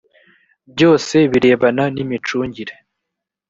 byose birebana n’ imicungire